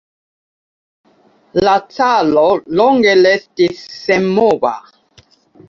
La caro longe restis senmova.